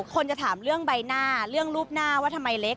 คนจะถามเรื่องใบหน้าเรื่องรูปหน้าว่าทำไมเล็ก